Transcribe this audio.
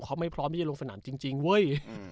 เขาไม่พร้อมที่จะลงสนามจริงเว้ย